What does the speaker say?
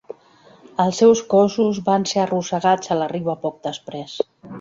Els seus cossos van ser arrossegats a la riba poc després.